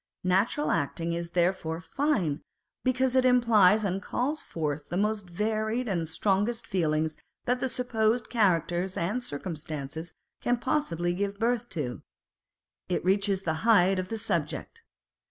Natural acting is therefore fine, because it implies and calls forth the most varied and strongest feelings that the supposed characters and circumstances can possibly give birth to : it reaches the height of the subject.